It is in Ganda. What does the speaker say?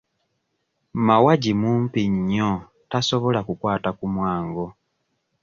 Mawagi mumpi nnyo tasobola kukwata ku mwango.